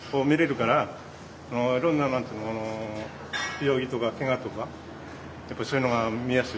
いろんな病気とかケガとかそういうのが見やすい。